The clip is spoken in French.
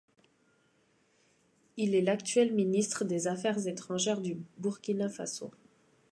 Il est l'actuel ministre des Affaires étrangères du Burkina Faso.